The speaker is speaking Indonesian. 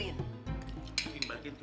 jangan sampai nih makanan dianggur